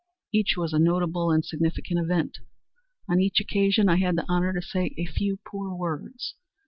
Each was a notable and significant event. On each occasion I had the honor to say a few poor words.